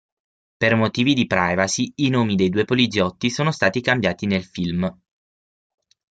Per motivi di privacy, i nomi dei due poliziotti sono stati cambiati nel film.